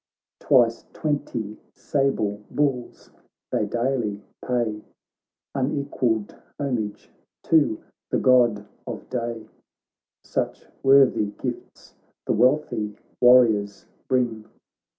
Twice twenty sable bulls they daily pay. Unequalled homage, to the God of day ; Such worthy gifts the wealthy warriors bring.